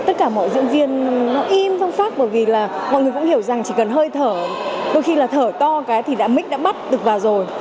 nguyên viên nó im trong pháp bởi vì là mọi người cũng hiểu rằng chỉ cần hơi thở đôi khi là thở to cái thì đã mít đã bắt được vào rồi